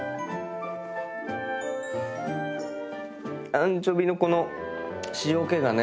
アンチョビのこの塩気がね。